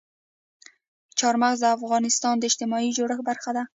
چار مغز د افغانستان د اجتماعي جوړښت برخه ده.